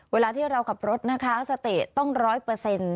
เวลาที่เราขับรถนะคะสติต้องร้อยเปอร์เซ็นต์